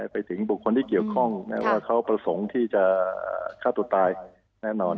ไปถึงบุคคลที่เกี่ยวข้องว่าเขาประสงค์ที่จะฆ่าตัวตายแน่นอน